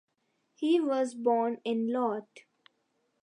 He was born in Lot.